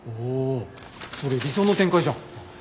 おお。それ理想の展開じゃん。